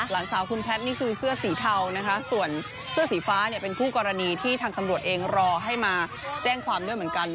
หลานสาวคุณแพทย์นี่คือเสื้อสีเทานะคะส่วนเสื้อสีฟ้าเนี่ยเป็นคู่กรณีที่ทางตำรวจเองรอให้มาแจ้งความด้วยเหมือนกัน